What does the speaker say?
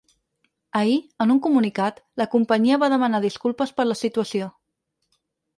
Ahir, en un comunicat, la companyia va demanar disculpes per la situació.